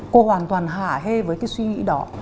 cô hoàn toàn hạ hê với cái suy nghĩ đó